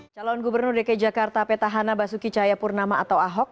calon gubernur dki jakarta petahana basuki cahayapurnama atau ahok